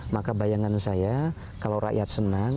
maka bayangan saya kalau rakyat senang